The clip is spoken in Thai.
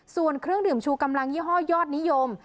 ส่วนเครื่องดื่มชูกำลังยี่ห้อยอดนิยม